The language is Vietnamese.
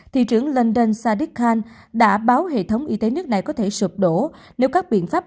thị trưởng london sadikhand đã báo hệ thống y tế nước này có thể sụp đổ nếu các biện pháp